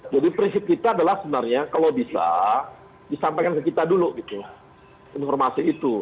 jadi prinsip kita adalah sebenarnya kalau bisa disampaikan ke kita dulu gitu informasi itu